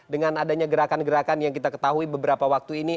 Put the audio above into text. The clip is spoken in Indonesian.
dengan adanya gerakan gerakan yang kita ketahui beberapa waktu ini